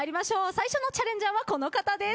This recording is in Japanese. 最初のチャレンジャーはこの方です。